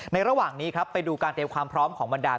ระหว่างนี้ครับไปดูการเตรียมความพร้อมของบรรดา